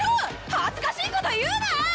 恥ずかしいこと言うな！